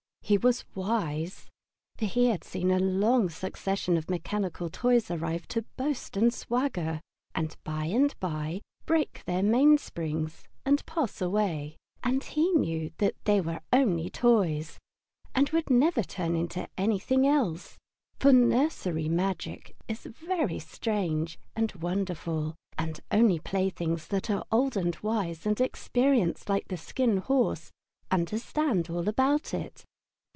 He was wise, for he had seen a long succession of mechanical toys arrive to boast and swagger, and by and by break their mainsprings and pass away, and he knew that they were only toys, and would never turn into anything else. For nursery magic is very strange and wonderful, and only those playthings that are old and wise and experienced like the Skin Horse understand all about it.